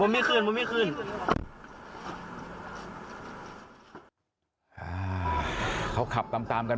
วันนี้เราจะมาเมื่อไหร่